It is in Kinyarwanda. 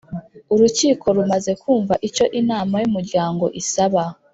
Urukiko rumaze kumva icyo Inama y’umuryango isaba